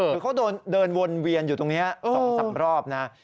คือเขาเดินวนเวียนอยู่ตรงนี้๒๓รอบนะ